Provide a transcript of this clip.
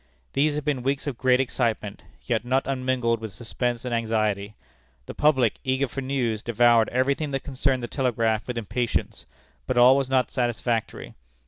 These had been weeks of great excitement, yet not unmingled with suspense and anxiety. The public, eager for news, devoured every thing that concerned the telegraph with impatience, but all was not satisfactory.